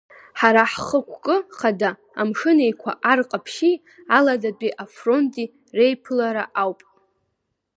Ҳара ҳхықәкы хада амшын Еиқәа Ар Ҟаԥшьи Аладатәи афронти реиԥылара ауп.